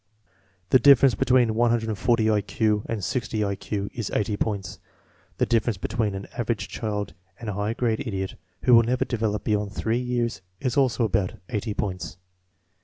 The difference between 140 1 Q and 60 1 Q is 80 points. The difference between an average child and a high grade idiot, who will never develop beyond three years, is also about 80 points.